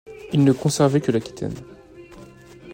Il ne conservait que l'Aquitaine.